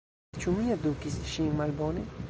Ĉu mi edukis ŝin malbone?